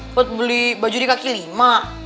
buat beli baju di kaki lima